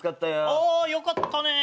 あよかったね。